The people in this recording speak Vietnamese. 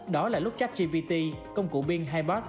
đó là lúc chat gpt công cụ biên hibot